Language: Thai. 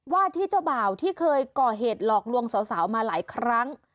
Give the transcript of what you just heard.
ว่าที่เจ้าบ่าวที่เคยก่อเหตุหลอกลวงสาวมาหลายครั้ง